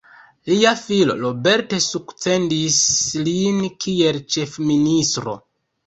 Lia filo Robert sukcedis lin kiel ĉef-ministro.